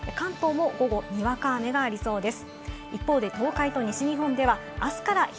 午後にわか雨がありそうです。